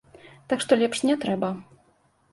Так што лепш не трэба.